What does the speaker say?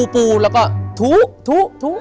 ปูแล้วก็ถู